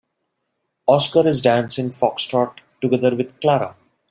Oscar is dancing foxtrot together with Clara.